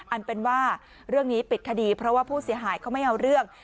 อันเป็นว่าเรื่องนี้ปิดคดีเพราะว่าผู้เสียหายเขาไม่เอาเรื่อง